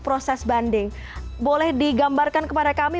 proses banding boleh digambarkan kepada kami